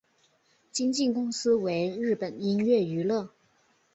经纪公司为日本音乐娱乐。